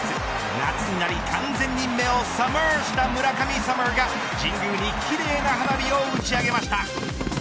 夏になり完全に目をサマーした村上ＳＵＭＭＥＲが神宮に奇麗な花火を打ち上げました。